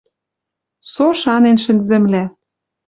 Со шанен шӹнзӹмлӓ.